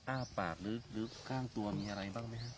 อ้าปากหรือข้างตัวมีอะไรบ้างไหมครับ